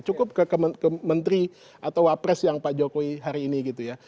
cukup ke menteri atau wapres yang pak jokowi hari ini gitu ya